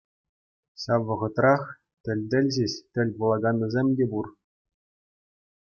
Ҫав вӑхӑтрах тӗл-тӗл ҫеҫ тӗл пулаканнисем те пур.